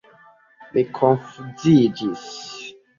Mi konfuziĝis.